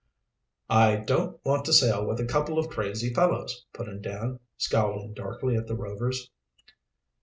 "I don't want to sail with a couple of crazy fellows," put in Dan, scowling darkly at the Rovers.